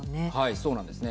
そうなんですね。